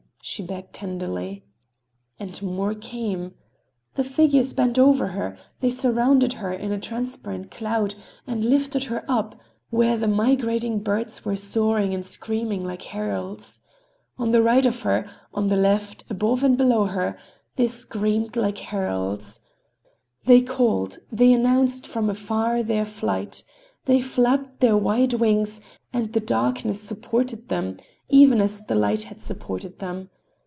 she begged tenderly. And more came. The figures bent over her, they surrounded her in a transparent cloud and lifted her up, where the migrating birds were soaring and screaming, like heralds. On the right of her, on the left, above and below her—they screamed like heralds. They called, they announced from afar their flight. They flapped their wide wings and the darkness supported them, even as the light had supported them.